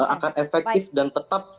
akan efektif dan tetap